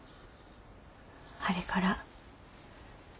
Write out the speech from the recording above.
あれから。